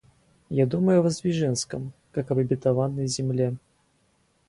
Я думаю о Воздвиженском, как об обетованной земле.